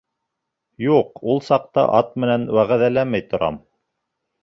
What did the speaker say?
— Юҡ, ул саҡта ат менән вәғәҙәләмәй торам.